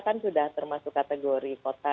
kan sudah termasuk kategori kota